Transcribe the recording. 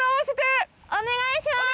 お願いします！